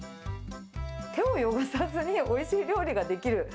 手を汚さずに、おいしい料理が出来る。